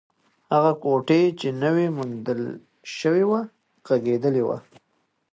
هغه کوټې چې نوې موندل شوې وه، غږېدلې وه.